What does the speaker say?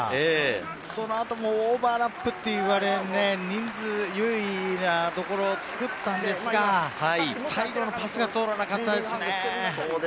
その後もオーバーラップと言われて、人数は優位なところを作ったのですが、最後のパスが通らなかったですね。